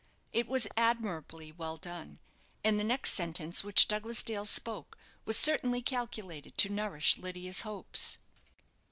It was admirably well done; and the next sentence which Douglas Dale spoke was certainly calculated to nourish Lydia's hopes.